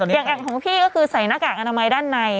อย่างของพี่ก็คือใส่หน้ากากอนามัยด้านใน